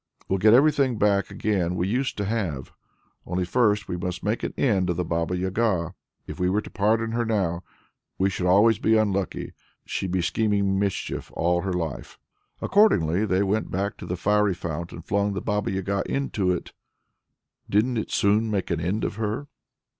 We'll get everything back again we used to have! Only first we must make an end of the Baba Yaga. If we were to pardon her now, we should always be unlucky; she'd be scheming mischief all her life." Accordingly they went back to the fiery fount, and flung the Baba Yaga into it; didn't it soon make an end of her!